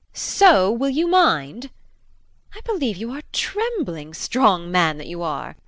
] So will you mind? I believe you are trembling, strong man that you are.